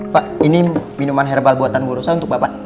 pak ini minuman herbal buatan bu rosa untuk bapak